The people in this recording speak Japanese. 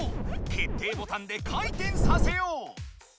決定ボタンで回転させよう！